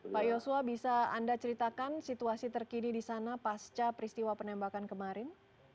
pak yosua bisa anda ceritakan situasi terkini di sana pasca peristiwa penembakan kemarin